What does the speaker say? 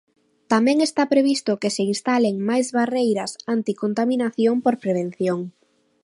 Tamén está previsto que se instalen máis barreiras anticontaminación por prevención.